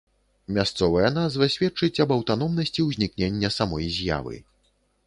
Мясцовая назва сведчыць аб аўтаномнасці ўзнікнення самой з'явы.